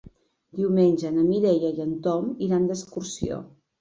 Diumenge na Mireia i en Tom iran d'excursió.